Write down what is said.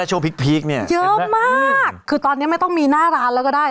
ช่วงพริกเนี่ยเยอะมากคือตอนเนี้ยไม่ต้องมีหน้าร้านแล้วก็ได้